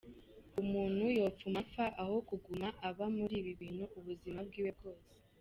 Umuntu yopfuma apfa hakuguma aba muri ibi bintu ubuzima bwiwe bwose.